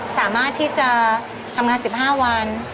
สามารถที่จะทำงาน๑๕วัน